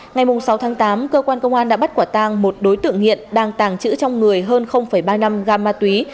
ngày sáu tháng tám cơ quan công an đã bắt quả tang một đối tượng hiện đang tàng trữ trong người hơn ba mươi năm gam ma túy